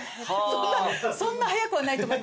そんな早くはないと思いますよ